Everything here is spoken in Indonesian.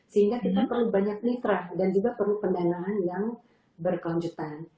sehingga kita perlu banyak mitra dan juga perlu pendanaan yang berkelanjutan